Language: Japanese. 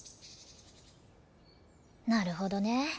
なるほどね。